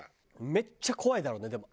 めっちゃ怖いだろうねでも。